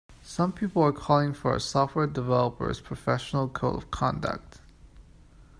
Some people are calling for a software developers' professional code of conduct.